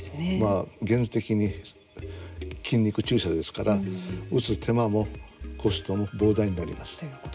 原理的に筋肉注射ですから打つ手間もコストも膨大になります。